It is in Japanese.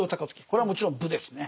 これはもちろん武ですね。